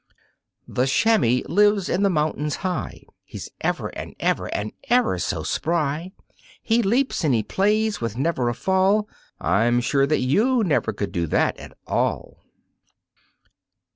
The chamois lives in the mountains high, He's ever and ever and ever so spry; He leaps and he plays with never a fall I'm sure that you never could do that at all.